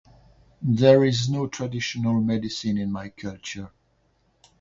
There is no traditional medicine in my culture.